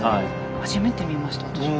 初めて見ました私も。